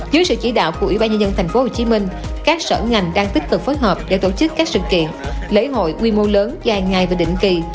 dưới sự chỉ đạo của ủy ban nhân dân thành phố hồ chí minh các sở ngành đang tích cực phối hợp để tổ chức các sự kiện lễ hội quy mô lớn dài ngày và định kỳ